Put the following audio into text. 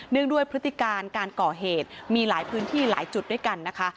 งด้วยพฤติการการก่อเหตุมีหลายพื้นที่หลายจุดด้วยกันนะคะ